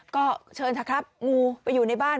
ก็เชิญเถอะครับงูไปอยู่ในบ้าน